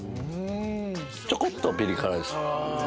ちょこっとピリ辛です。